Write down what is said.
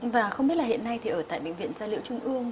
và không biết là hiện nay ở tại bệnh viện gia liệu trung ương